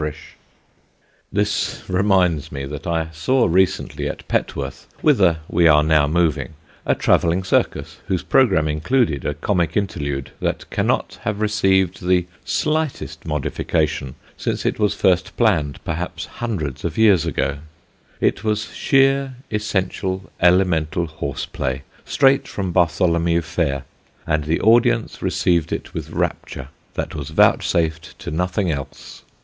[Illustration: Amberley Church.] [Sidenote: A TRAVELLING CIRCUS] [Sidenote: A TIME HONOURED JOKE] This reminds me that I saw recently at Petworth, whither we are now moving, a travelling circus whose programme included a comic interlude that cannot have received the slightest modification since it was first planned, perhaps hundreds of years ago. It was sheer essential elemental horse play straight from Bartholomew Fair, and the audience received it with rapture that was vouchsafed to nothing else.